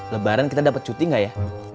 lebaran kita dapat cuti gak ya